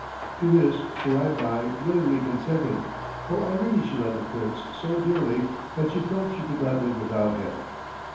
To this Surai Bai willingly consented, for already she loved the prince so dearly that she felt she could not live without him.